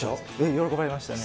喜ばれましたね。